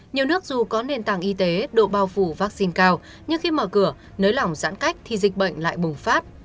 nhiều nước dù có nền tảng y tế độ bao phủ vaccine cao nhưng khi mở cửa nới lỏng giãn cách thì dịch bệnh lại bùng phát